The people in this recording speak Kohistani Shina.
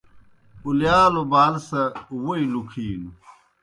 اُلِیالوْ بال سہ ووئی لُکِھینوْ۔